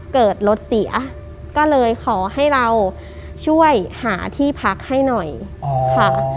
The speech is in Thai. เกิดรถเสียก็เลยขอให้เราช่วยหาที่พักให้หน่อยค่ะ